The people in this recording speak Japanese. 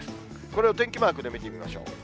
これをお天気マークで見てみましょう。